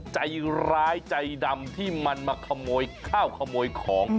ใจร้ายใจดำที่มันมาขโมยข้าวขโมยของ